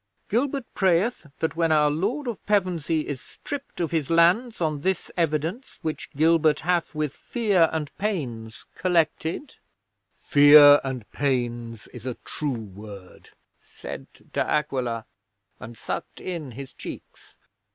'"Gilbert prayeth that when our Lord of Pevensey is stripped of his lands on this evidence which Gilbert hath, with fear and pains, collected " '"Fear and pains is a true word," said De Aquila, and sucked in his cheeks.